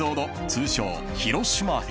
［通称広島編］